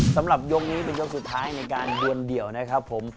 สำหรับยกนี้เป็นยกสุดท้ายในการดวนเดี่ยวนะครับผม